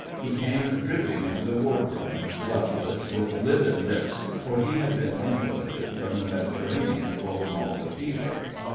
He came dripping into the ward room—bloodless, with livid lips, for he had been invalided from the Mediterranean full of Malta fever.